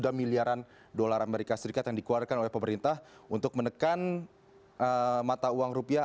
amerika serikat yang dikeluarkan oleh pemerintah untuk menekan mata uang rupiah